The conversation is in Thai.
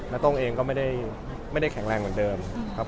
น้าโต้งเองก็ไม่ได้ไม่ได้แข็งแรงเหมือนเดิม